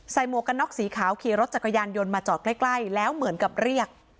หมวกกันน็อกสีขาวขี่รถจักรยานยนต์มาจอดใกล้แล้วเหมือนกับเรียก